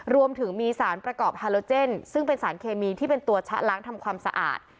รวมถึงมีสารประกอบฮาโลเจนซึ่งเป็นสารเคมีที่เป็นตัวชะล้างทำความสะอาด